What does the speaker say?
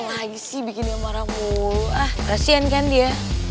gila lagi sih bikin dia marah mulu ah kasihan kan dia